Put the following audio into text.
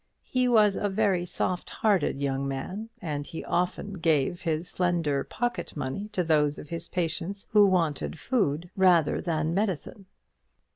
He was a very soft hearted young man, and he often gave his slender pocket money to those of his patients who wanted food rather than medicine.